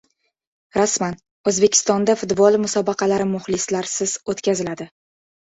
Rasman: O‘zbekistonda futbol musobaqalari muxlislarsiz o‘tkaziladi